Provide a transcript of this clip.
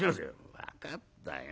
「分かったよ。